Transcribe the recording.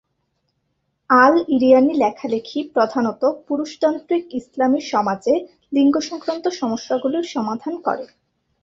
Al-Eryani লেখালেখি প্রধানত পুরুষতান্ত্রিক ইসলামি সমাজে লিঙ্গ সংক্রান্ত সমস্যাগুলির সমাধান করে।